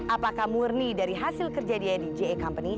apakah murni dari hasil kerja dia di ja company